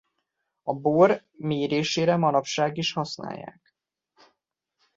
A bor mérésére manapság is használják.